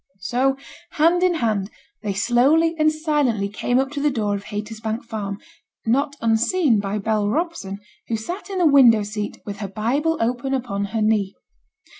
So, hand in hand, they slowly and silently came up to the door of Haytersbank Farm; not unseen by Bell Robson, who sate in the window seat, with her Bible open upon her knee.